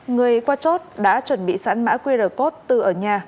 người qua chốt đã chuẩn bị sẵn mã qr code từ ở nhà